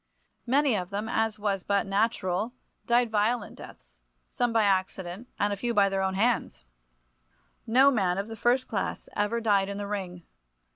Many of them, as was but natural, died violent deaths, some by accident and a few by their own hands. No man of the first class ever died in the ring.